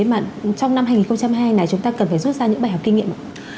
mà trong năm hai nghìn hai mươi hai này chúng ta cần phải rút ra những bài học kinh nghiệm ạ